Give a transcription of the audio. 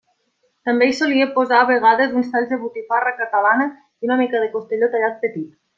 També hi solia posar a vegades uns talls de botifarra catalana i una mica de costelló tallat petit.